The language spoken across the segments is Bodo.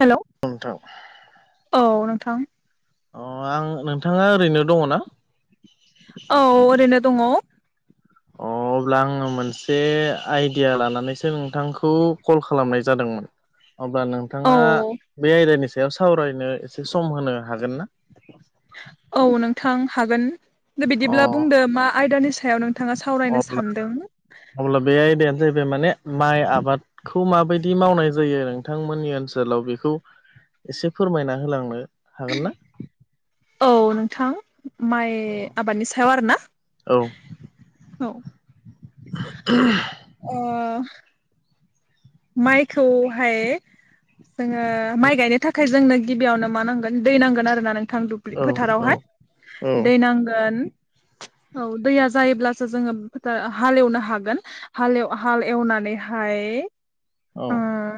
हेल' नोंथां औ नोंथां अ आं नोंथाङा ओरैनो दङ ना औ ओरैनो दङ अ अब्ला आङो मोनसे आइडिया लानानैसो नोंथांखौ कल खालामनाय जादोंमोन अब्ला नोंथाङा बे आयदानि सायाव सावरायनो एसे सम होनो हागोन ना औ नोंथां हागोन द अ बिदिब्ला बुंदो मा आयदानि सायाव नोंथ नोंथाङा सावरायनो अब्ला सानदों अब्ला बे आयदायानो जाहैबाय माने माइ आबाद खौ माबायदि मावनाय जायो नोंथांमोननि ओनसोलाव बेखौ एसे फोरमायना होलांनो हागोन ना? औ नोंथां माइ आबादनि सायाव आरोना? औ औ [inaudible] ओ माइखौहाय जोङो माइ गायनो थाखाय खाम जोंनो गिबियावनो मा नांगोन दै नांगोन आरो ना नों गोथां दुब्लि औ औ फोथारावहाय दै नांगोन। औ दैया जायोब्लासो जोङो फोथा हालेवनो हागोन। हाल एव हाल एवनानैहाय औ ओ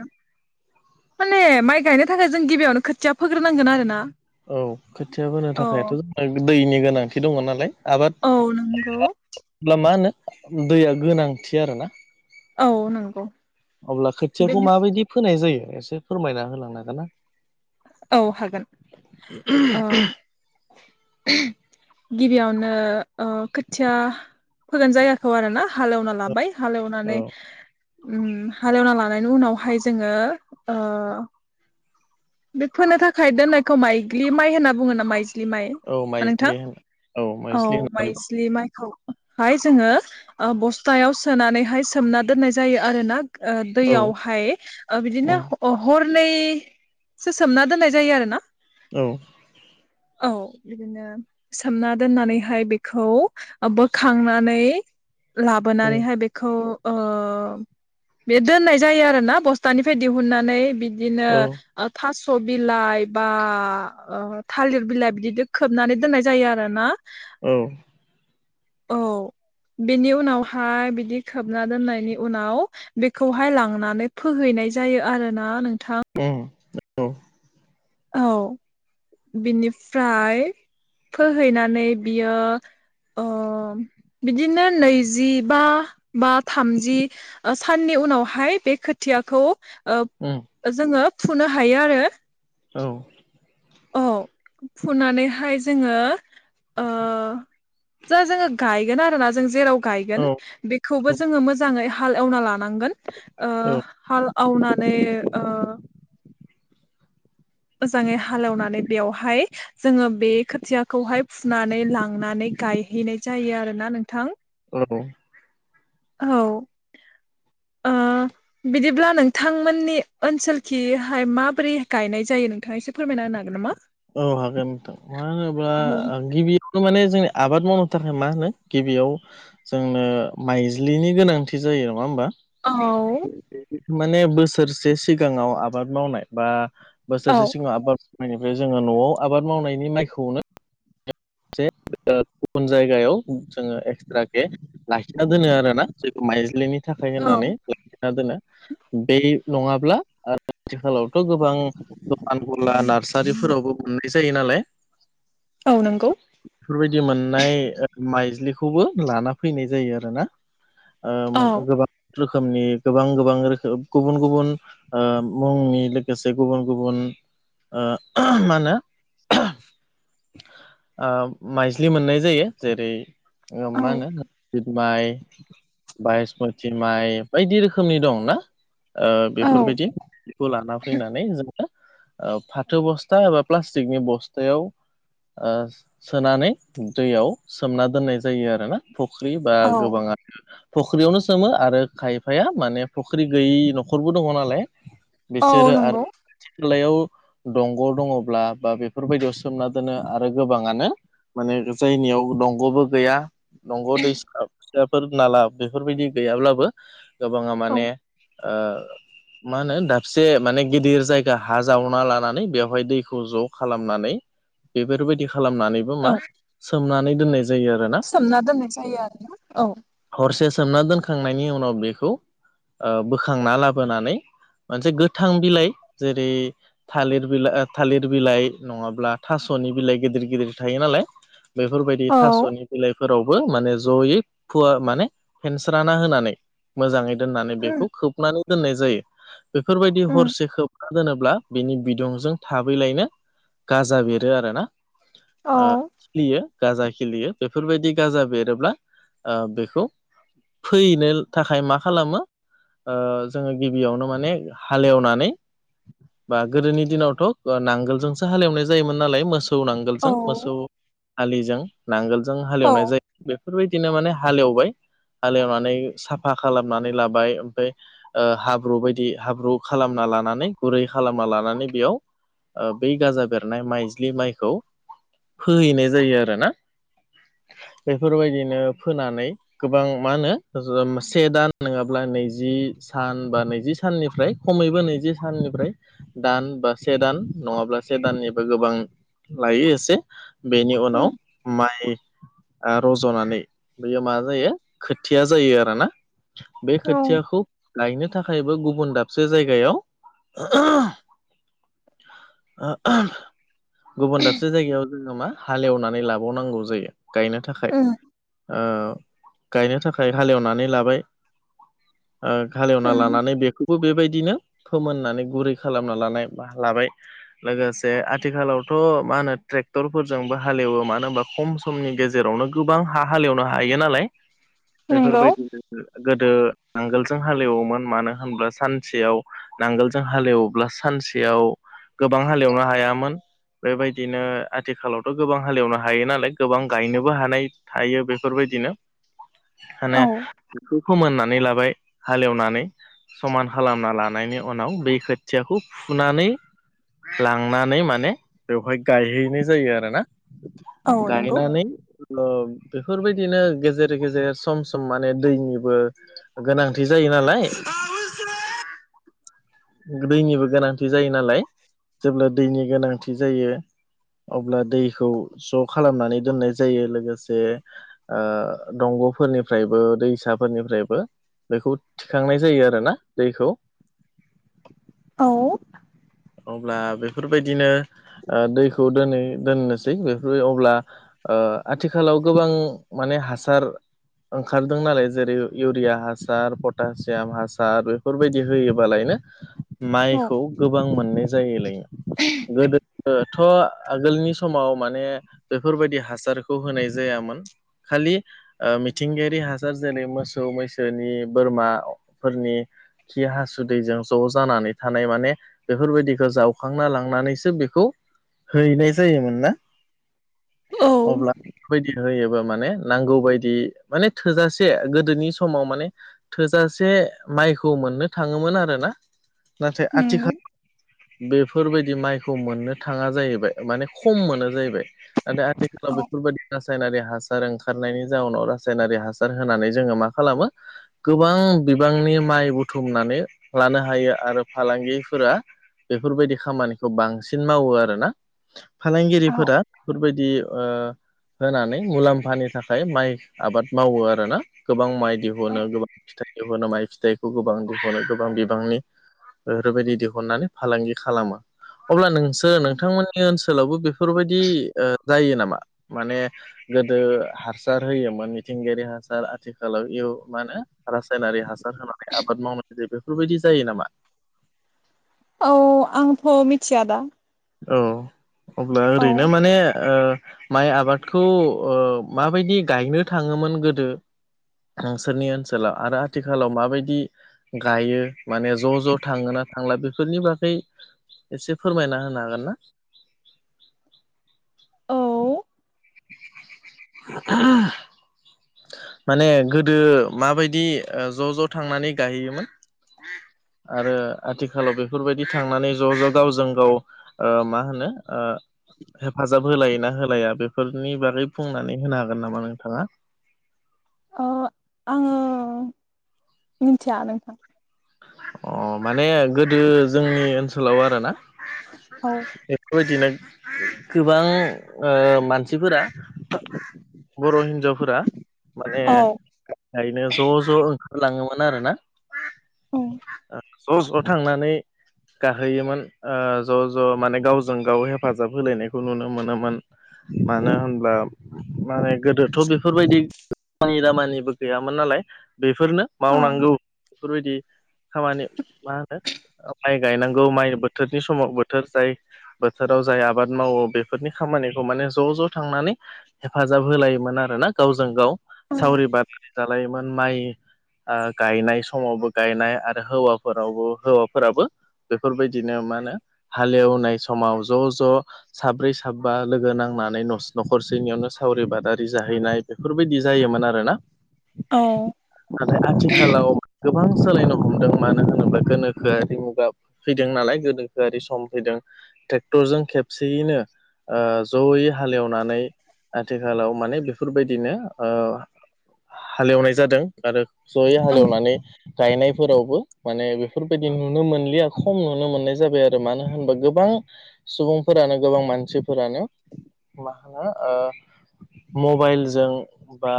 माने माइ गायनो थाखाय जों गिबियावनो खोथिया फोग्रोनांगोन आरो ना। औ खोथिया बोनो औ थाखायथ' जोंना दैनि गोनांथि दङ नालाय आबाद औ नंगौ [unintelligible] अब्ला मा होनो दैया गोनांथि आरोना औ नंगौ। अब्ला खोथियाखौ बेनि माबायदि फोनाय जायो एसे फोरमायना होलांनो हागोन ना? औ हागोन। [unintelligible] गिबियावनो ओ खोथिया फोगोन जायगाखौ आरो ना हालेवना लाबाय हाल एवनानै औ उम हालएवना लानायनि उनावहाय जोङो ओ बे फोनो थाखाय दोननायखौ माइग्लि माइ होनना बुङो ना माइज्लि माइ औ मा नोंथां माइज्लि होन औ माइज्लि होननानै माइजलि माइखौहाय जोङो ओ बस्थायाव सोनानैहाय सोमना दोननाय जायो आरो ना ओ औ दैयावहाय ओ बिदिनो उम हरनैसो सोमना दोननाय जायो आरो ना। औ औ बिदिनो सोमना दोननानैहाय बेखौ बोखांनानै उम लाबोनानैहाय बे खौ ओ बे दोननाय जायो आरोना बस्थानिफ्राय दिहुननानै बि बिदिनो औ ओ थास' बिलाइ बा ओ थालिर बिलाइ बिदि खोबनानै दोननाय जायो आरो ना। औ बेनि उनावहाय बिदि खोबना दोननायनि उनाव बेखौहाय लांनानै फोहैनाय जायो आरोना नोंथां उम औ औ बिनिफ्राय फोहैनानै बियो अ बिदिनो नैजि बा बा थामजि ओ साननि उनावहाय बे खोथियाखौ ओ उम ओ जोङो फुनो हायो आरो। औ औ फुनानैहाय जोङो ओ। जा जोङो गायगोन आरोना जों जेराव गायगोन बे खौबो जोङो मोजाङै हाल एवना लानांगोन ओ औ हाल एवनानै ओ मोजाङै हालेवनानै बेवहाय जोङो बे खोथियाखौहाय फुनानै लांनानै गायहैनाय जायो आरोना नोंथां। औ औ ओ [inaudible] बिदिब्ला नोंथांमोननि ओनसोलखिहाय माबोरै गायनाय जायो नोंथाङा एसे फोरमायना होनो हागोन नामा? औ हागोन नोंथां मानो होनोब्ला औ गिबि खौ माने जोंनि आबाद मावनो थाखाय मा होनो गिबियाव जोंनो माइज्लिनि गोनांथि जायो नङा होमबा औ माने बोसोरसे सिगाङाव आबाद मावनाय बा औ बोसोरसे सिगाङाव आबाद मावनायनि बे जोङो न'आव आबाद मावनायनि माइखौनो जे गुबुन जायगायाव जोङो एक्सट्राके लाखिना दोनो आरोना जखौ माइजलिनि थाखाय औ होननानै लाखिना दोनो बे नङाब्ला आथिखालावथ' गोबां दखान गला नार्सारिफोरावबो मोननाय जायो नालाय औ नोंगौ बेफोरबायदि मोननाय माइज्लिखौबो लाना फैनाय जायो आरोना औ गोबां रोखोमनि गोबां गोबां रोखोम गुबुन गुबुन मुंनि लोगोसे गुबुन गुबुन मा होनो माइज्लि मोननाय जायो जेरै औ मा होनो सिद माइ बायस्मथि माइ बायदि रोखोमनि दं ना औ बेफोरबायदिखौ लाना फैनानै जों फाथो बस्था एबा प्लास्टिकनि बस्थायाव सोनानै दैयाव सोमना दोननाय जायो आरोना फुख्रि बा औ गोबाङानो फख्रियावनो सोमो आरो खायफाया माने फुख्रि गैयै न'खरबो दङ नालाय औ बिसोरो नंगौ आरो खाथि खालायाव दंग' दङब्ला बा बेफोरबायदियाव सोमना दोनो आरो गोबाङानो माने जायनियाव दंग'बो गैया दंग' दैसा फोर नाला बेफोरबायदि गैयाब्लाबो गोबाङा औ माने मा होनो दाबसे माने गिदिर जायगा हा जावना लानानै बेवहाय दैखौ ज' खालामनानै बेफोरबायदि खालामनानैबो मा औ सोमनानै दोननाय जायो आरोना सोमना दोननाय जायो आरो ना औ हरसे सोमना दोनखांनायनि उनाव बेखौ बोखांना लाबोनानै मोनसे गोथां बिलाइ जेरै थालिर बिलाइ थालिर बिलाइ नङाब्ला थास'नि बिलाइ गिदिर गिदिर थायो नालाय बेफोरबायदि औ थास'नि बिलाइ फोरावबो माने ज'यै फुवा माने फेनस्राना होनानै मोजाङै नानै बेखौ खोबनानै दोननाय जायो बेफोरबायदि उम हरसे खोब मा दोनोब्ला बिनि बिदुंजों थाबैलायनो गाजा बेरो आरोना औ खिलियो गाजा खिलियो बेफोरबायदि गाजा बेरोब्ला बेखौ फैयैनो थाखाय मा खालामो जोङो गिबियावनो माने हालेवनानै बा गोदोनि दिनावथ' नांगोलजोंसो हालेवनाय जायोमोन नालाय मोसौ मोसौ नांगोलजों मोसौ हालिजों नांगोलजों औ हालेवनाय जायो बेफोरबायदिनो माने हालेवबाय हालेवनानै साफा खालामनानै लाबाय ओमफ्राय हाब्रु बायदि हाब्रु खालामना लानानै गुरै खालामना लानानै बेयाव बै गाजा बेरनाय माइज्लि माइखौ फोहैनाय जायो आरोना बेफोरबायदिनो फोनानै गोबां मा होनो से दान नङाब्ला नैजि सान बा नैजि साननिफ्राय खमैबो नैजि साननिफ्राय दान बा से दान नङाब्ला से दाननिबो गोबां लायो एसे बेनि उम उनाव माइ रज'नानै बेयो मा जायो खोथिया जायो आरोना बे खोथियाखौ गायनो थाखायबो गुबुन दाबसे जायगायाव [inaudible] गुबुन दाबसे जायगायाव जोङो मा हालेवनानै लाबावनांगौ जायो गायनो थाखाय ओ गायनो थाखाय हालेवनानै लाबाय ओ हालेवना उम लानानै बेखौ बेबायदिनो फोमोननानै गुरै खालामना लानाय लाबाय लोगोसे आथिखालाव थ' मा होनो ट्रेक्टरफोरजोंबो हालेवो मानो होनबा खम समनि गेजेरावनो गोबां हा हालेवनो हायो नालाय नंगौ बेफोरबायदिनो गोदो नांगोलजों हालेवोमोन मानो होनब्ला सानसेयाव नांगोलजों हालेवब्ला सानसेयाव गोबां हालेवनो हायामोन बेबायदिनो आथिखालावथ' गोबां हालेवनो हायो नालाय गोबां गायनोबो हानाय हायो बेफोरबायदिनो औ माने फोमोननानै लाबाय हालेवनानै समान खालामना लानायनि उनाव दै खोथियाखौ फुनानै लांनानै माने बेवहाय गायहैनाय जायो आरोना औ नंगौ गायनानै ओ बेफोरबायदिनो गेजेर गेजेर सम सम माने दैनिबो गोनांथि जायो नालाय दैनिबो गोनांथि जायो नालाय जेब्ला दैनि गोनांथि जायो अब्ला दैखौ ज' खालामनानै दोननाय जायो लोगोसे ओ दंग'फोरनिफ्रायबो दैसाफोरनिफ्रायबो बेखौ थिखांनाय जायो आरो ना दैखौ औ अब्ला बेफोरबायदिनो दैखौ दोनै दोननोसै बेफोर अब्ला ओ आथिखालाव गोबां माने हासार ओंखारदों नालाय जेरै इउरिया हासार पटासियाम हासार बेफोरबायदि होयोबालायनो औ माइखौ गोबां मोननाय जायोलाय लोगो दोथ' आगोलनि समाव माने बेफोरबायदि हासारखौ होनाय जायामोन खालि मिथिंगायारि हासार जेरै मोसौ मैसोनि बोरमाफोरनि खि हासुदैजों ज' जानानै थानाय माने बेफोरबायदिखौ जावखांना लांनानैसो बेखौ हैनाय जायोमोन ना औ अब्ला बायदि होयोबा माने नांगौ बायदि माने थोजासे गोदोनि समाव माने थोजासे माइखौ मोननो थाङोमोन आरोना नाथाय नंगौ आथिखाल बेफोरबायदि माइखौ मोननो थाङा जाहैबाय माने खम मोनो जाहैबाय नाथाय आथिखालाव बेफोरबायदि रासायनारि हासार ओंखारनायनि जाउनाव रासायनारि हासार होनानै जोङो मा खालामो गोबां बिबांनि माइ बुथुमनानै लानो हायो आरो फालांगिफोरा बेफोरबायदि खामानिखौ बांसिन मावो आरोना औ फालांगिरिफोरा बेफोरबायदि दि ओ होनानै मुलाम्फानि थाखाय माइ आबाद मावो आरोना गोबां माइ औ दिहुनो गोबां फिथाइफोरखोनो माइ फिथाइखौ गोबां दिहुनो गोबां बिबांनि बेफोरैबायदि दिहुन हुननानै फालांगि खालामो अब्ला नोंसोर नोंथांमोननि ओनसोलावबो बेफोरबायदि ओ जायो नामा माने गोदो हासार होयोमोन मिथिंगायारि हासार आथिखालाव इउ मा होनो रासायनारि हासार होनानै आबाद मावनाय जायो बेफोरबायदि जायो नामा औ आंथ' मिथिया दा औ अब्ला औ ओरैनो माने ओ माइ आबादखौ ओ माबायदि गायनो थाङोमोन गोदो नोंसोरनि ओनसोलाव आरो आथिखालाव माबायदि गायो माने ज' ज' थाङो ना थांला बेफोरनि बागै एसे फोरमायना होनो हागोन ना औ आ माने गोदो माबायदि ज' ज' थांनानै गायहैयोमोन। आरो आथिखालाव बेफोरबायदि थांनानै ज' ज' गावजों गाव मा होनो ओ हेफाजाब होलाय ना होलाया बेफोरनि बागै बुंनानै होनो हागोन नामा नोंथाङा? अ आङो मिथिया नोंथां। अ माने गोदो जोंनि ओनसोलाव आरोना औ बेबायदिनो गोबां ओ मानसिफोरा बर' हिनजावफोरा माने औ गायैनो ज' ज' ओंखारलाङोमोन आरोना। औ ओ ज' ज' थांनानै गाहोयोमोन ओ ज' ज' माने गावजों गाव हेफाजाब होलायनायखौ नुनो मोनोमोन। मानो होनब्ला माने गोदोथ' बेफोरबायदि खामानि दामानिबो गैयामोन नालाय बेफोरनो मावनांगौ बेफोरबायदि खामानि मा होनो माइ गायनांगौ माइ बोथोरनि समाव बोथोर जाय बोथोराव जाय आबाद मावो बेफोरनि खामानिखौ माने ज' ज' थांनानै हेफाजाब होलायोमोन आरो ना गावजों गाव सावरि बादालि जालायोमोन माइ गायनाय समावबो। गायनाय आरो हौवाफोरावबो हौवाफोराबो बेफोरबायदिनो मा होनो हालेवनाय समाव ज' ज' साब्रै साबा लोगो नांनानै न' न'खरसेनियावनो सावरि बादारि जाहैनाय बेफोरबायदि जायोमोन आरो ना। औ नाथाय आथि खालाव गोबां सोलायनो हमदों मानो होनोबा गोनोखोआरि मुगा फैदों नालाय गोदोखोआरि सम फैदों ट्रेक्टरजों खेबसेयैनो ओ जयै हाल हेवनानै आथिखालाव माने बेफोरबायदिनो ओ हालेवनाय जादों आरो जयै हालेवनानै गायनायफोरावबो माने बेफोरबायदि नुनो मोनलिया खम नुनो मोननाय जाबाय आरो मानो होनबा गोबां सुबुंफोरानो गोबां मानसिफोरानो मा होनो मबाइलजों बा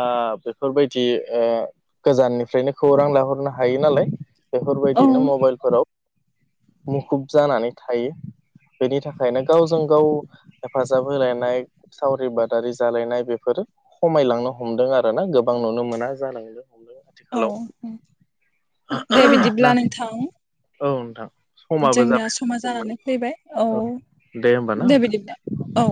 बेफोरबायदि ओ गोजाननिफ्रायनो खौरां लाहरनो हा हायो नालाय बेफोरबायदिनो औ मबाइलफोराव मुखुब जानानै थायो। बेनि थाखायनो गावजों गाव हेफाजाब होलायनाय सावरि बादारि जालायनाय बेफोरो खमायलांनो हमदों आरो ना गोबां नुनो मोना जालांनो हमदों। औ आथिखालाव उम दे बिदिब्ला नोंथां। औ नोंथां समाबो जोंनिया जाबाय समा जोंमोन जानानै फैबाय औ होमबा ना औ दे बिदिना औ